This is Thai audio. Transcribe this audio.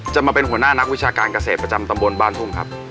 จะมาเป็นหัวหน้านักวิชาการเกษตรประจำตำบลบ้านทุ่งครับ